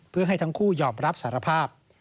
เพื่อให้ทั้งคู่ยอมรับสารภาพ